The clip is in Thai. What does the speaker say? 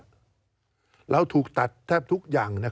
การเลือกตั้งครั้งนี้แน่